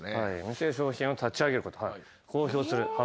「店や商品を立ち上げること」「公表する発表する」